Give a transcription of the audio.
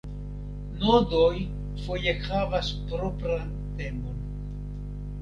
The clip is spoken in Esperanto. Nodoj foje havas propran temon.